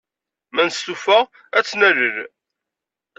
Ma nestufa, ad tt-nalel.